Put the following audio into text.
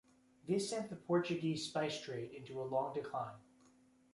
This sent the Portuguese spice trade into a long decline.